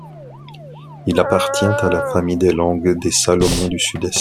Il appartient à la famille des langues des Salomon du Sud-Est.